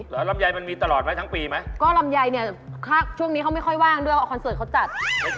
ว่าลำไยเนี่ยช่วงนี้เขาไม่ค่อยว่างด้วยเพราะเขาจัด